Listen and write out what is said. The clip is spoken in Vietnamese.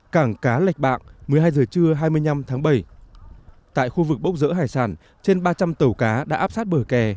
cảng cá lạch bạng một mươi hai h trưa hai mươi năm tháng bảy tại khu vực bốc rỡ hải sản trên ba trăm linh tàu cá đã áp sát bờ kè